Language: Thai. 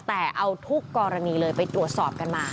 แต่เอาทุกกรณีเลยไปตรวจสอบกันมา